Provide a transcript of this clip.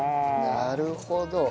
なるほど。